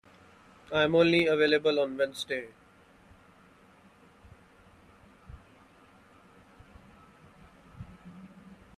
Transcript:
I am only available on Wednesday.